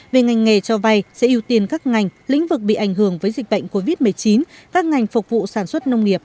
về ngành nghề cho vay sẽ ưu tiên các ngành lĩnh vực bị ảnh hưởng với dịch bệnh covid một mươi chín các ngành phục vụ sản xuất nông nghiệp